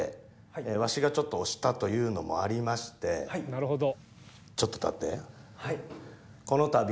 なるほど。